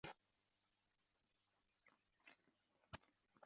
Wafanyakazi wake wengi ni waandishi na watafiti.